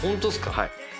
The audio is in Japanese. はい。